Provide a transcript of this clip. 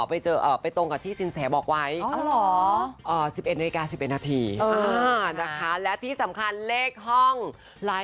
พี่จักรีนสั่งมาถามหมายเลขห้องค่ะ